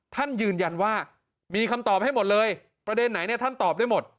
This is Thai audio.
ท่านยืนยันว่ามีคำตอบให้หมดเลยประเด็นไหนเนี่ยท่านตอบได้หมด